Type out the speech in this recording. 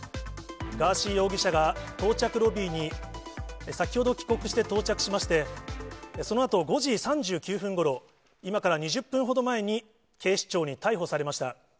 ガーシー容疑者が到着ロビーに先ほど帰国して、到着しまして、そのあと５時３９分ごろ、今から２０分ほど前に警視庁に逮捕されました。